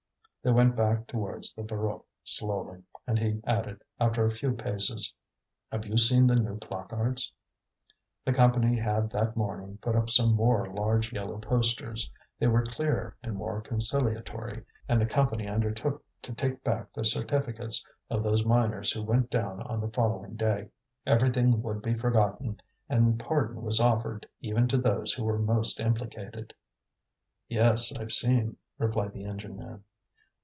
They went back towards the Voreux slowly, and he added, after a few paces: "Have you seen the new placards?" The Company had that morning put up some more large yellow posters. They were clearer and more conciliatory, and the Company undertook to take back the certificates of those miners who went down on the following day. Everything would be forgotten, and pardon was offered even to those who were most implicated. "Yes, I've seen," replied the engine man.